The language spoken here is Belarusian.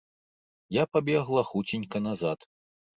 Я пабегла хуценька назад.